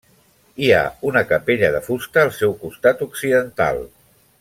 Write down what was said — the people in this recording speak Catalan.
Hi ha una capella de fusta al seu costat occidental.